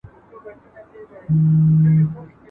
¬ د زمري غار بې هډوکو نه وي.